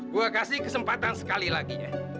gue kasih kesempatan sekali lagi ya